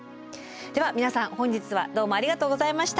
では皆さん本日はどうもありがとうございました。